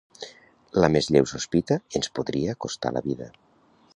La més lleu sospita ens podria costar la vida.